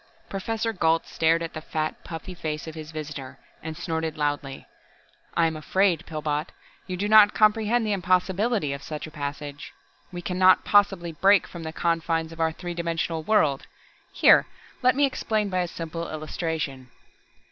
Professor Gault stared at the fat, puffy face of his visitor, and snorted loudly. "I am afraid, Pillbot, you do not comprehend the impossibility of such a passage. We can not possibly break from the confines of our three dimensional world. Here, let me explain by a simple illustration."